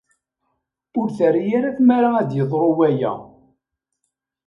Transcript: Ur terri ara tmara ad d-yeḍru waya.